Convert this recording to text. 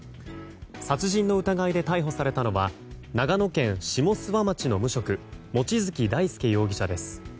殺人の疑いで逮捕されたのは長野県下諏訪町の無職望月大輔容疑者です。